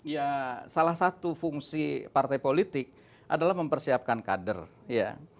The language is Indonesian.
ya salah satu fungsi partai politik adalah mempersiapkan kader ya